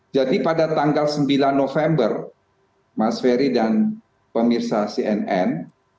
jadi pada tanggal sembilan november mas fery dan pemirsa cnn